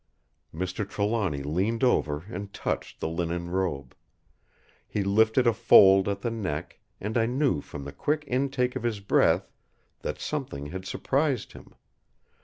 Mr. Trelawny leaned over and touched the linen robe. He lifted a fold at the neck, and I knew from the quick intake of his breath that something had surprised him.